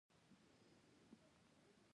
د سپي ټوله شپه د کلا ساتنه وکړه.